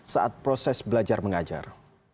saat proses belajar mengajar